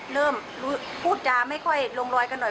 เริ่มพูดจาไม่ค่อยลงรอยกันหน่อย